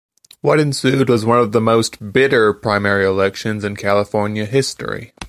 What ensued was one of the most bitter primary elections in California history.